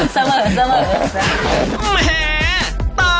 สมสม